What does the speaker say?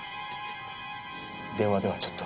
電話ではちょっと。